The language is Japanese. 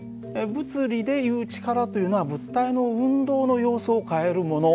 物理でいう力というのは物体の運動の様子を変えるもの。